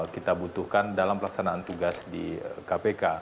kita butuhkan dalam pelaksanaan tugas di kpk